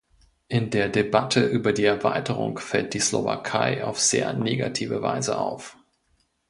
In der Debatte über die Erweiterung fällt die Slowakei auf sehr negative Weise auf.